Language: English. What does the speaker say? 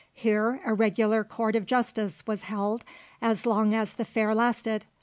Here a regular court of justice was held as long as the fair lasted.